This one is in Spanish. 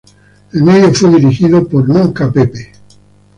El vídeo fue dirigido por Nunca Pepe.